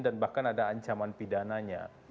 dan bahkan ada ancaman pidananya